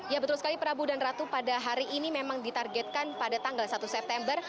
ya betul sekali prabu dan ratu pada hari ini memang ditargetkan pada tanggal satu september